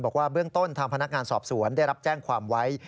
บอกว่าเบื้องต้นทางพนักงานสอบสวนได้รับแจ้งความไว้